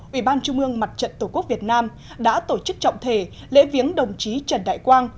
ủy ban trung ương mặt trận tổ quốc việt nam đã tổ chức trọng thể lễ viếng đồng chí trần đại quang